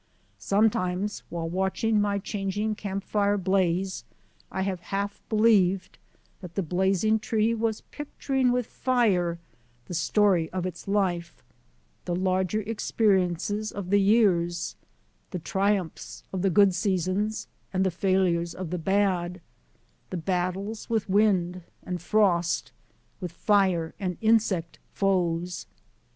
Sometimes while watching my changing camp fire blaze I have half believed that the blazing tree was picturing with fire the story of its life — the larger experiences of the years; the triumphs of the good seasons and the TREES AT TIMBERLINE 77 failures of the bad; the battles with wind and frost, with fire and insect foes.